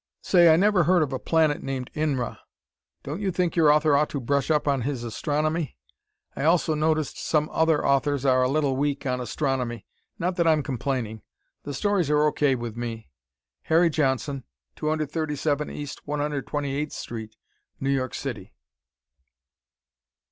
Say, I never heard of a planet named Inra. Don't you think your author ought to brush up on his astronomy? I also noticed some other authors are a little weak on astronomy; not that I'm complaining. The stories are O. K. with me. Harry Johnson, 237 E. 128th St., New York City.